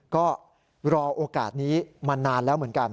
ก็รอโอกาสนี้มานานแล้วเหมือนกัน